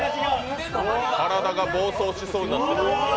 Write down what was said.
体が暴走しそうになってる。